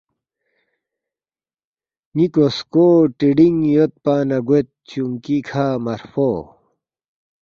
نی کسکو ٹرینگ یودپانا گوید چونکی کھا مرفو